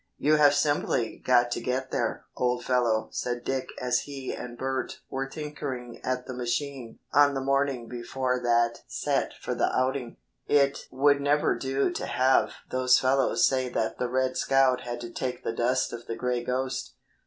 "You have simply got to get there, old fellow," said Dick as he and Bert were tinkering at the machine on the morning before that set for the outing. "It would never do to have those fellows say that the 'Red Scout' had to take the dust of the 'Gray Ghost.'"